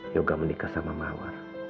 yoga menikah sama mawar